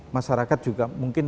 masyarakat juga mungkin